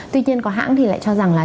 tuy nhiên có hãng thì lại cho rằng là